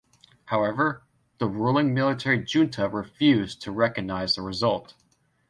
However, the ruling military junta refused to recognise the result.